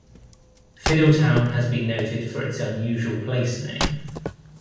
Fiddletown has been noted for its unusual place name.